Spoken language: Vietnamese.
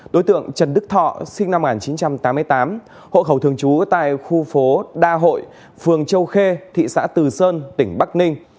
đối tượng trần đức thọ sinh năm một nghìn chín trăm tám mươi tám hộ khẩu thường trú tại khu phố đa hội phường châu khê thị xã từ sơn tỉnh bắc ninh